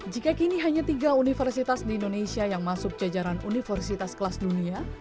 jika kini hanya tiga universitas di indonesia yang masuk jajaran universitas kelas dunia